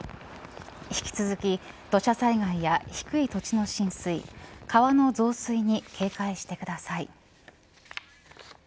引き続き土砂災害や低い土地の浸水川の増水に警戒してください。